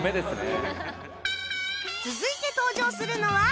続いて登場するのは